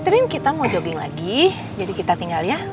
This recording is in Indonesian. stream kita mau jogging lagi jadi kita tinggal ya